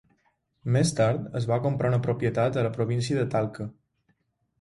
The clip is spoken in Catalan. Més tard, es va comprar una propietat a la província de Talca.